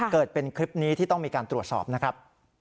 เกิดเป็นคลิปนี้ที่ต้องมีการตรวจสอบนะครับ